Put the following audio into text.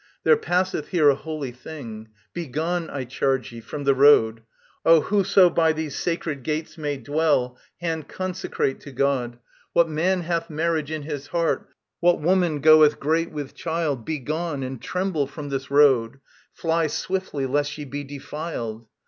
] There passeth here a holy thing: begone, I charge ye, from the road, O whoso by these sacred gates may dwell, hand consecrate to God, What man hath marriage in his heart, what woman goeth great with child, Begone and tremble from this road: fly swiftly, lest ye be defiled.